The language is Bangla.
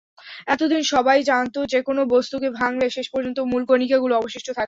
এত দিন সবাই জানত, যেকোনো বস্তুকে ভাঙলে শেষ পর্যন্ত মূল-কণিকাগুলো অবশিষ্ট থাকে।